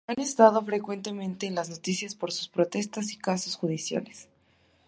Han estado frecuentemente en las noticias por sus protestas y casos judiciales.